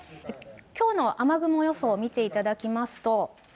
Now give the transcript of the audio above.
きょうの雨雲予想を見ていただきますと。